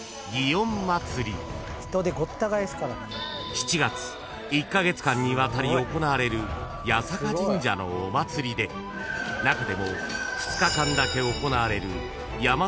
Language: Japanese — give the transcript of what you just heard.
［７月１カ月間にわたり行われる八坂神社のお祭りで中でも２日間だけ行われる］